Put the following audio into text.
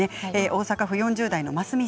大阪府４０代の方です。